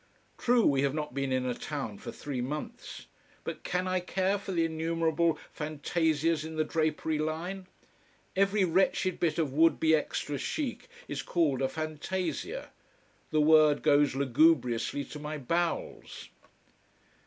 True, we have not been in a town for three months. But can I care for the innumerable fantasias in the drapery line? Every wretched bit of would be extra chic is called a fantasia. The word goes lugubriously to my bowels.